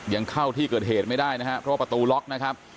ยังเข้าที่เกิดเหตุไม่ได้นะครับเพราะว่าประตูล็อกนะครับ